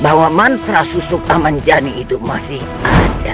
bahwa mantra susu kamanjani itu masih ada